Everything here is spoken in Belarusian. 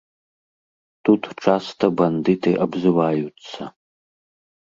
Тут часта бандыты абзываюцца.